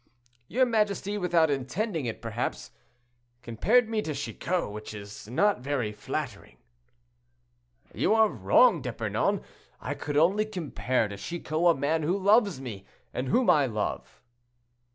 "Your majesty, without intending it, perhaps, compared me to Chicot, which is not very flattering." "You are wrong, D'Epernon; I could only compare to Chicot a man who loves me, and whom I love."